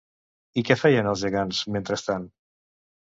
I què feien els gegants mentrestant?